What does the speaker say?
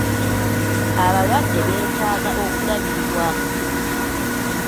Abalwadde beetaaga okulabirirwa.